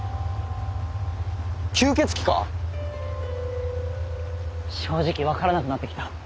吸血鬼か⁉正直分からなくなってきた。